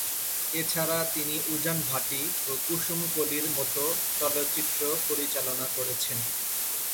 এছাড়া, তিনি "উজান ভাটি" ও "কুসুম কলি" র মত চলচ্চিত্র পরিচালনা করেছেন।